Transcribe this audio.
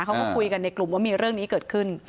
เขาก็คุยกันในกลุ่มว่ามีเรื่องนี้เกิดขึ้น